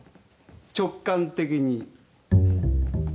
直感的に。